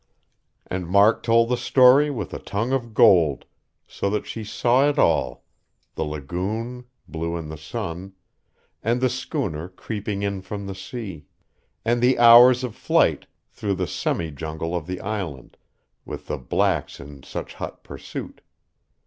And Mark told the story with a tongue of gold, so that she saw it all; the lagoon, blue in the sun; and the schooner creeping in from the sea; and the hours of flight through the semi jungle of the island, with the blacks in such hot pursuit.